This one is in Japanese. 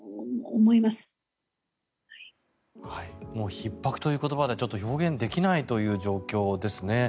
ひっ迫という言葉で表現できないという状況ですね。